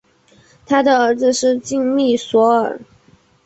他的儿子是金密索尔。